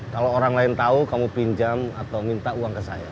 kalau orang lain tahu kamu pinjam atau minta uang ke saya